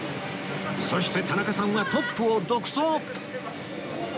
そして田中さんはトップを独走